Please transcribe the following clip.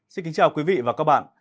xin kính chào quý vị và các bạn